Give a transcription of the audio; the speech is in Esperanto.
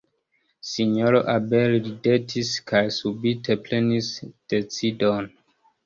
Sinjoro Abel ridetis, kaj subite prenis decidon.